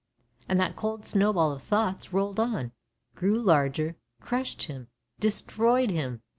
" And that cold snowball of thoughts rolled on, grew larger, crushed him, destroyed him.